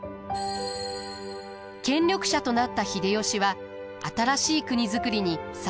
権力者となった秀吉は新しい国造りに才覚を発揮します。